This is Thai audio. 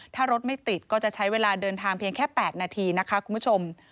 ถ้ารถไม่ติดก็จะใช้เวลาเดินทางเพียงแค่๘นาทีนะคะคุณผู้ชม